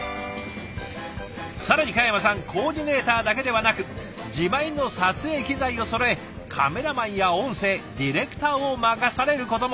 更に嘉山さんコーディネーターだけではなく自前の撮影機材をそろえカメラマンや音声ディレクターを任されることも。